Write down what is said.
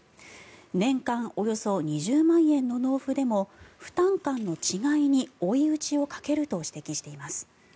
年間およそ２０万円の納付でも負担感の違いに追い打ちをかけると指摘しています。